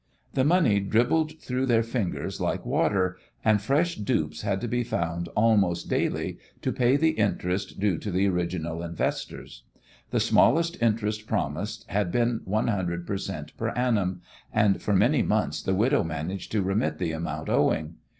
The money dribbled through their fingers like water, and fresh dupes had to be found almost daily to pay the interest due to the original investors. The smallest interest promised had been one hundred per cent per annum, and for many months the widow managed to remit the amount owing.